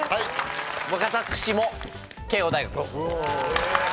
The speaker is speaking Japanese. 私も慶應大学です。